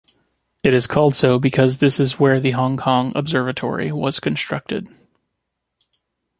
It is called so because this is where the Hong Kong Observatory was constructed.